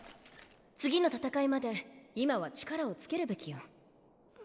次の戦いまで今は力を付けるべきよ。